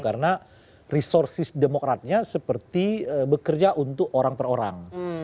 karena resources demokratnya seperti bekerja untuk orang per orang